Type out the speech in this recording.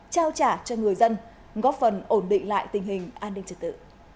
trao trả cho người dân góp phần ổn định lại tình hình an ninh trật tự